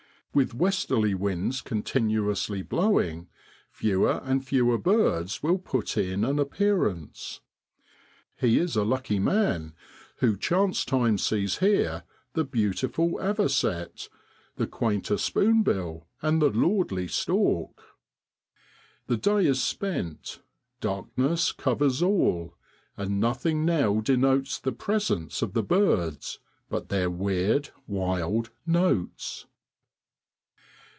With westerly winds continuously blowing fewer and fewer birds will put in an appearance. He is a lucky man who chance time sees here the beautiful avocet, the quainter spoon bill, and the lordly stork. The day is spent ; darkness covers all, and nothing now denotes the presence of the birds but their weird wild notes.